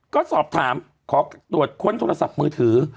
ก็สอบถามขอตรวจค้นโทรศัพท์มือถือ